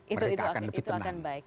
itu akan lebih tenang